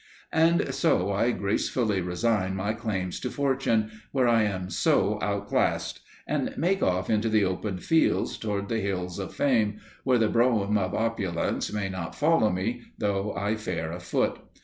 And so I gracefully resign my claims to fortune, where I am so outclassed, and make off into the open fields towards the Hills of Fame, where the brougham of Opulence may not follow me, though I fare afoot.